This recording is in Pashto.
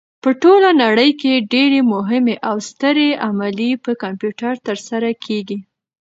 په ټوله نړۍ کې ډېرې مهمې او سترې عملیې په کمپیوټر ترسره کېږي.